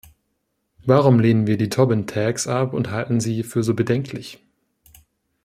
Warum lehnen wir die Tobin tax ab und halten sie für so bedenklich?